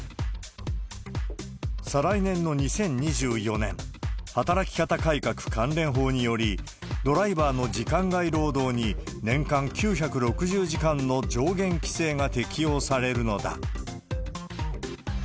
再来年の２０２４年、働き方改革関連法により、ドライバーの時間外労働に年間９６０時間の上限規制が適用されるのだ。